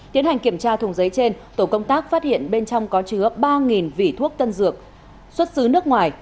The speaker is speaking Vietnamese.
tiến hành kiểm tra thùng giấy trên tổ công tác phát hiện bên trong có chứa ba vỉ thuốc tân dược xuất xứ nước ngoài